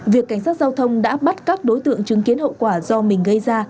việc cảnh sát giao thông đã bắt các đối tượng chứng kiến hậu quả do mình gây ra